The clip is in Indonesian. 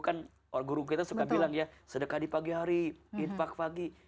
kan guru kita suka bilang ya sedekah di pagi hari infak pagi